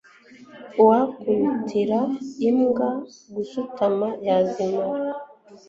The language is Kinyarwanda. uwakubitira imbwa gusutama yazimara